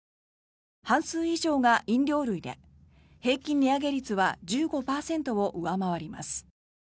半数以上が飲料類で平均値上げ率は１５％を上回ります。